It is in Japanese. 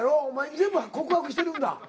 お前に全部告白してるんだ。